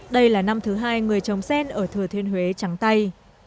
đây là năm thứ hai người trồng sen ở thừa thiên huế trắng tay